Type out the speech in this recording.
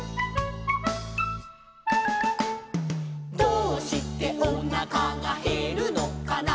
「どうしておなかがへるのかな」